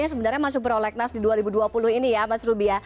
yang sebenarnya masuk perolegnas di dua ribu dua puluh ini ya mas rubi